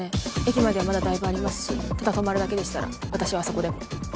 駅まではまだだいぶありますしただ泊まるだけでしたら私はあそこでも。